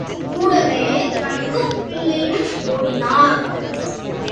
கூடவே கணக்கப் பிள்ளையும் ஓடினார்.